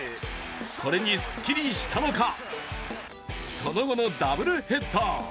これにすっきりしたのか、その後のダブルヘッダー。